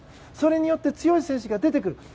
それによって強い選手が出てくる。